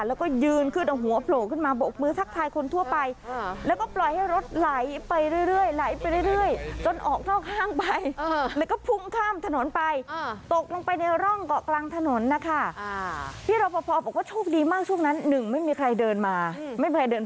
แล้วก็ยืนขึ้นเอาหัวโผล่ขึ้นมาบกมือทักทายคนทั่วไป